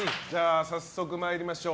早速、参りましょう。